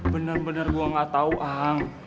bener bener gua ga tau ang